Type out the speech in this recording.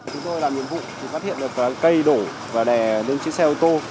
chúng tôi làm nhiệm vụ phát hiện được cây đổ và đè lên xe ô tô